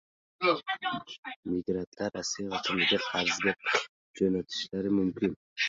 Migrantlar Rossiyadan vataniga qarzga pul jo‘natishlari mumkin